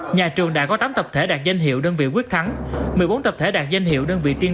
nhà trường đã có tám tập thể đạt danh hiệu đơn vị quyết thắng một mươi bốn tập thể đạt danh hiệu đơn vị tiên